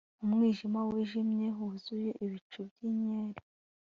umwijima wijimye, wuzuye ibicu byinyenyeri